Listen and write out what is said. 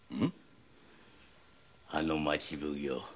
あの町奉行